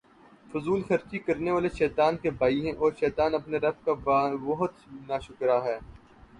فضول خرچی کرنے والے شیطان کے بھائی ہیں، اور شیطان اپنے رب کا بہت ناشکرا ہے